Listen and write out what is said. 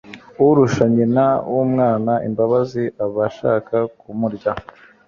urusha nyina w'umwana imbabazi aba ashaka kumurya